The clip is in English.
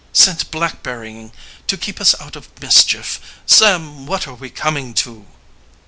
"Sent blackberrying to keep us out of mischief! Sam, what are we coming to?"